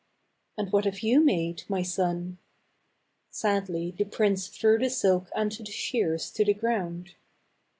" And what have you made, my son ?" Sadly the prince threw the silk and the shears to the ground.